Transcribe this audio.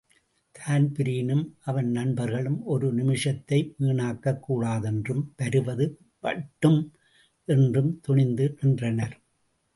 தான்பிரீனும் அவன் நண்பர்களும் ஒரு நிமிஷத்தையும் வீணாக்கக் கூடாதென்றும், வருவது வட்டும் என்றும் துணிந்து நின்றனர்.